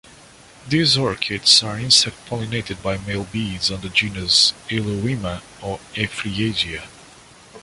These orchids are insect pollinated by male bees in the genus "Eulaema" or "Eufriesia".